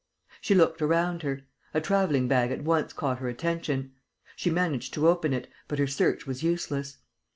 She looked around her. A travelling bag at once caught her attention. She managed to open it; but her search was useless.